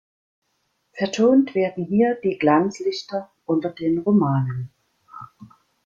Vertont werden hier die Glanzlichter unter den Romanen.